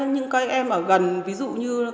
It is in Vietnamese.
nhưng các em ở gần ví dụ như